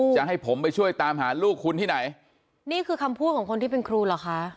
จะให้ผมไปช่วยตามหาลูกคุณที่ไหนนี่คือคำพูดของคนที่เป็นครูเหรอคะ